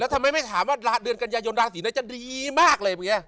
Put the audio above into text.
แล้วทำไมไม่ถามว่าเดือนกัญญายนราศีนั้นจะดีมากเลย